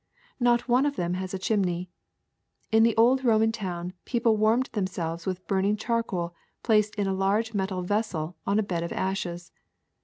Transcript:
Not one of them has a chimney. In the old Roman town people warmed themselves with burning charcoal placed in a large metal vessel on a bed of ashes.